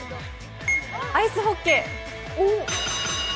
アイスホッケー？